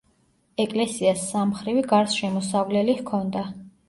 ეკლესიას სამმხრივი გარსშემოსავლელი ჰქონდა.